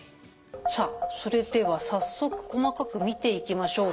さあそれでは早速細かく見ていきましょうか。